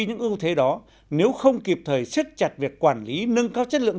những ưu thế đó nếu không kịp thời siết chặt việc quản lý nâng cao chất lượng